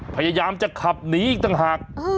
พยายามจะขับหนีอีกต่างหาก